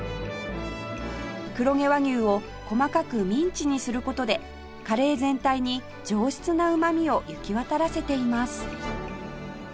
黒毛和牛を細かくミンチにする事でカレー全体に上質なうまみを行き渡らせています